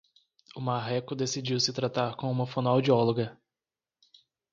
O marreco decidiu se tratar com uma fonoaudióloga